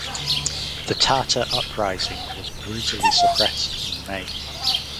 The Tartar uprising was brutally suppressed in May.